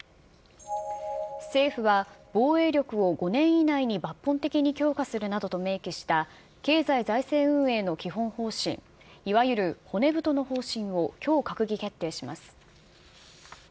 政府は、防衛力を５年以内に抜本的に強化するなどと明記した経済財政運営の基本方針、いわゆる骨太の方針をきょう閣議決定します。